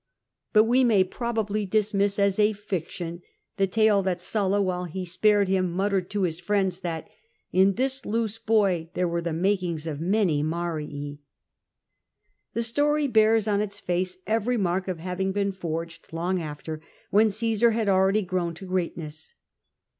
But we may probably dismiss as a fiction the tale that Sulla, while ho B[)ared him, muttered to his friends that "in this loose boy there wore the makings of many MiiriL" The story bears on its face every mark of having been forged long after, when Cmsar had already grown to greatness.